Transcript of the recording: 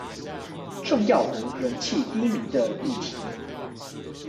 重要而人氣低迷的議題